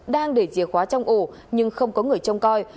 đang để chìa khóa trong ổ nhưng không có người trông coi